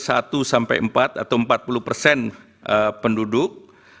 atau empat puluh persen penduduk